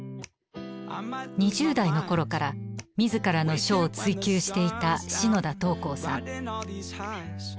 ２０代の頃から自らの書を追求していた篠田桃紅さん。